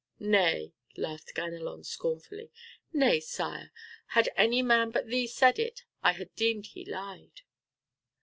"Nay," laughed Ganelon scornfully, "nay, Sire, had any man but thee said it I had deemed he lied."